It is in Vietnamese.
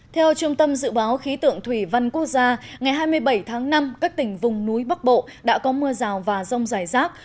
theo trung tâm dự báo khí tượng thủy văn quốc gia ngày hai mươi bảy tháng năm các tỉnh vùng núi bắc bộ đã có mưa rào và rông rải rác